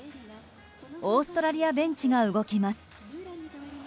オーストラリアベンチが動きます。